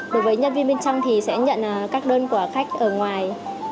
đối với nhân viên bên trong thì sẽ nhận các đơn quả khách ở ngoài